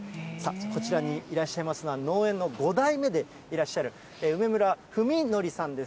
こちらにいらっしゃいますのは、農園の５代目でいらっしゃる、梅村文規さんです。